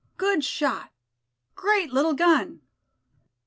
"GOOD SHOT! GREAT LITTLE GUN!"